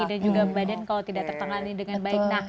dan juga badan kalau tidak tertangani dengan baik